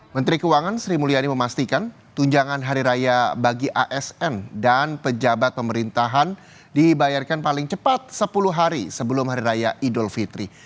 menteri keuangan sri mulyani memastikan tunjangan hari raya bagi asn dan pejabat pemerintahan dibayarkan paling cepat sepuluh hari sebelum hari raya idul fitri